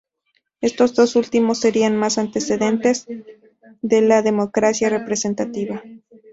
Estos dos últimos serían más antecedentes de la democracia representativa.